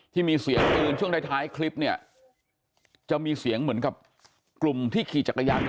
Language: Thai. ที่มีเสียงปืนช่วงท้ายคลิปเนี่ยจะมีเสียงเหมือนกับกลุ่มที่ขี่จักรยาน